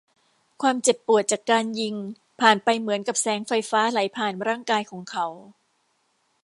ความเจ็บปวดจากการยิงผ่านไปเหมือนกับแสงไฟฟ้าไหลผ่านร่างกายของเขา